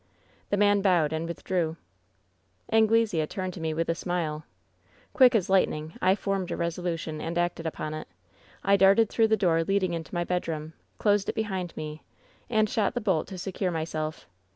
"The man bowed and withdrew. "Anglesea turned to me with a smile. "Quick as lightning I formed a resolution and acted upon it. I darted through the door leading into my bedroom, closed it behind me, and shot the bolt to secure myself.